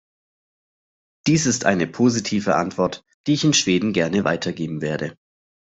Dies ist eine positive Antwort, die ich in Schweden gerne weitergeben werde.